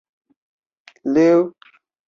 位于伦敦西敏市圣约翰伍德的阿比路。